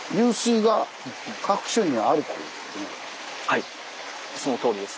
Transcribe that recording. はいそのとおりです。